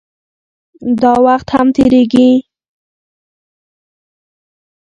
داوخت هم تېريږي